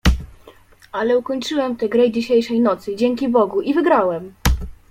"Ale ukończyłem tę grę dzisiejszej nocy, dzięki Bogu i wygrałem!"